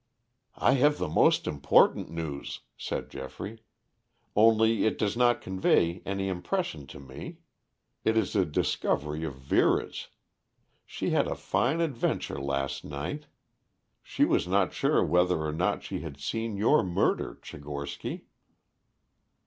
"I have the most important news," said Geoffrey, "only it does not convey any impression to me. It is a discovery of Vera's. She had a fine adventure last night. She was not sure whether or not she had seen your murder, Tchigorsky."